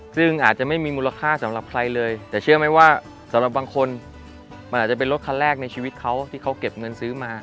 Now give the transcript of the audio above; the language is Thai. ซึ่งอาจจะไม่มีมูลค่าสำหรับใครเลยแต่เชื่อไหมว่าสำหรับบางคนมันอาจจะเป็นรถคันแรกในชีวิตเขาที่เขาเก็บเงินซื้อมา